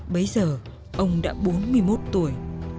bây giờ ông đã bốn mươi một tuổi